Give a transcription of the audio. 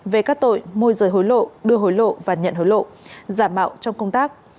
về các tội môi rời hối lộ đưa hối lộ và nhận hối lộ giả mạo trong công tác